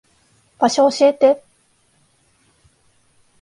場所教えて。